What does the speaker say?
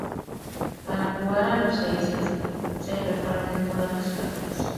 Para jugar a los seises se reparten todas las cartas.